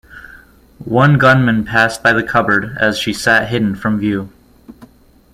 One gunman passed by the cupboard as she sat hidden from view.